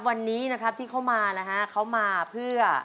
วันนี้ที่เขามาเขามาเพื่อ